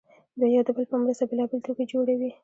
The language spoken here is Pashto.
دوی یو د بل په مرسته بېلابېل توکي جوړوي